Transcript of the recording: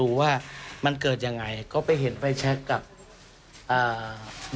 ดูว่ามันเกิดยังไงก็ไปเห็นไฟแชคกับอ่า